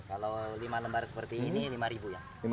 kalau lima lembar seperti ini rp lima ya